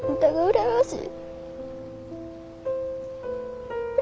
羨ましい。